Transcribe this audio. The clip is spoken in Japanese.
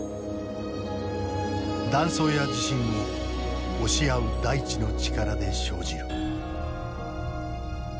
断層や地震も押し合う大地の力で生じる。